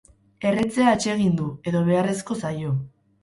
Erretzea atsegin du edo beharrezko zaio.